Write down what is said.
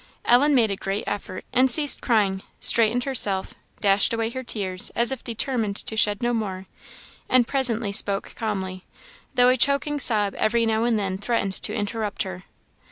Ellen made a great effort, and ceased crying; straightened herself dashed away her tears, as if determined to shed no more; and presently spoke calmly, though a choking sob every now and then threatened to interrupt her.